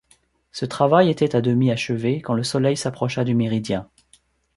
Ce travail était à demi achevé, quand le soleil s’approcha du méridien.